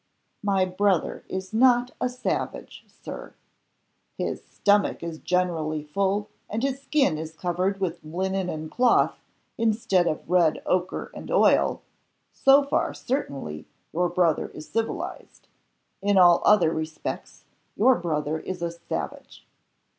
"My brother is not a savage, Sir." "His stomach is generally full, and his skin is covered with linen and cloth, instead of red ochre and oil. So far, certainly, your brother is civilized. In all other respects your brother is a savage."